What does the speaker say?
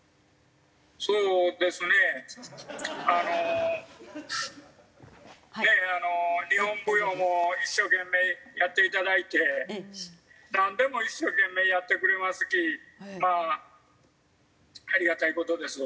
ねえ日本舞踊も一生懸命やっていただいてなんでも一生懸命やってくれますきまあありがたい事です。